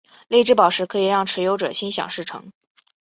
泪之宝石可以让持有者心想事成。